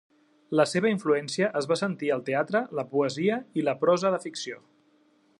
La seva influència es va sentir al teatre, la poesia i la prosa de ficció.